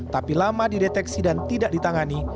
tapi lama dideteksi dan tidak ditangani